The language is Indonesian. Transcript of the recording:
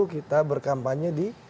kita berkampanye di